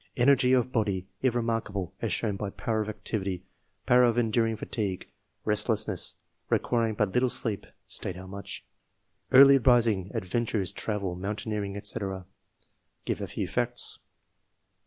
Energy of body, if remarkable; as shown by power of activity, power of enduring fatigue, restless ness, requiring but little sleep (state how much), early rising, adventures, travel, mountaineering, &c. (give a few facts)